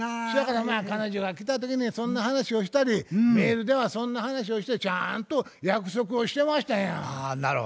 そやからまあ彼女が来た時にそんな話をしたりメールではそんな話をしてちゃんと約束をしてましたんや。